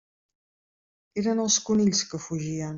Eren els conills que fugien.